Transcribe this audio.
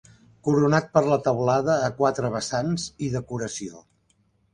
Coronat per la teulada a quatre vessants i decoració.